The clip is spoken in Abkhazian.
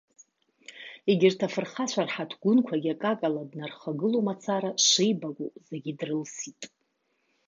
Егьырҭ афырхацәа рҳаҭгәынқәагьы акакала днархагыло мацара шеибакәу зегьы дрылсит.